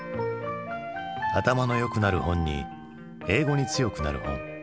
「頭のよくなる本」に「英語に強くなる本」。